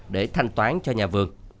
để thanh toán cho nhà vườn